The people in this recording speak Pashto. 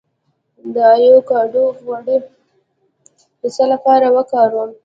د ایوکاډو غوړي د څه لپاره وکاروم؟